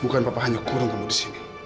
bukan papa hanya kurung kamu di sini